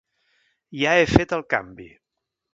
Ja he fet el canvi.